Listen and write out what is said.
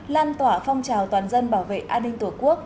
lan tỏa phong trào toàn dân bảo vệ an ninh tổ quốc